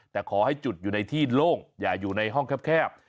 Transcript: แต่ขอให้จุดอยู่ในที่โล่งอย่าอยู่ในห้องแคบ